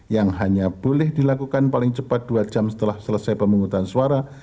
yang hanya boleh dilakukan paling cepat dua jam setelah selesai pemungutan suara